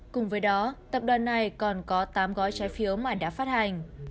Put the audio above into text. cùng với đó tập đoàn này còn có tám gói trái phiếu mà đã phát hành